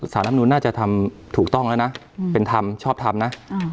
รับนูนน่าจะทำถูกต้องแล้วนะเป็นธรรมชอบทำนะ